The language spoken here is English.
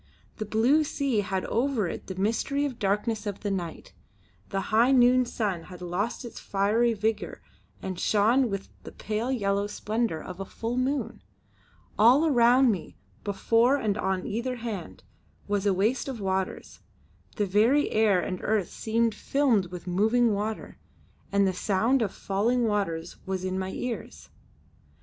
The blue sea had over it the mystery of the darkness of the night; the high noon sun had lost its fiery vigour and shone with the pale yellow splendour of a full moon. All around me, before and on either hand, was a waste of waters; the very air and earth seemed filmed with moving water, and the sound of falling waters was in my ears.